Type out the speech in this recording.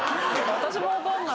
私も分かんない。